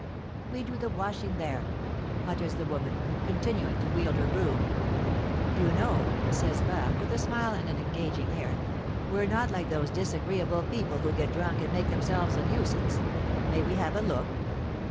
"We do the washing there," mutters the woman, continuing to wield her broom. "You know," says Barque, with a smile and an engaging air, "we're not like those disagreeable people who get drunk and make themselves a nuisance. May we have a look?"